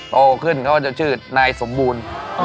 โตขึ้นเขาจะชื่อนายสมบูรณ์